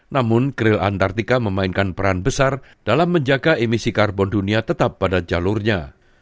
namun grill antartika memainkan peran besar dalam menjaga emisi karbon dunia tetap pada jalurnya